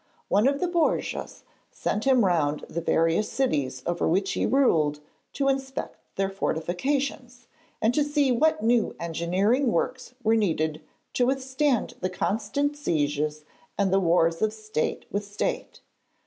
One of the Borgias sent him round the various cities over which he ruled, to inspect their fortifications, and to see what new engineering works were needed to withstand the constant sieges and the wars of state with state.